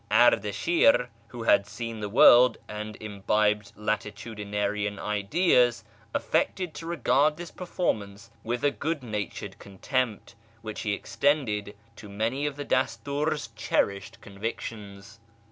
Ardashir, who had seen the world and imbibed fcitudinarian ideas, affected to regard this performance with i good natured contempt, which he extended to many of tje Dastur's cherished convictions.